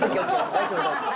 大丈夫大丈夫。